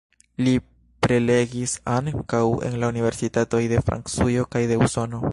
Li prelegis ankaŭ en la universitatoj de Francujo kaj de Usono.